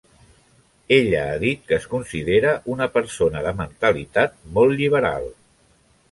Ella ha dit que es considera una persona "de mentalitat molt lliberal".